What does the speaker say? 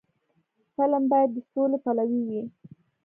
فلم باید د سولې پلوي وي